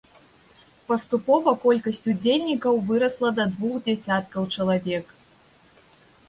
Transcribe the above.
Паступова колькасць удзельнікаў вырасла да двух дзясяткаў чалавек.